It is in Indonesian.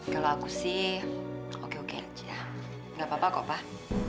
kalau aku sih oke oke aja nggak apa apa kok pak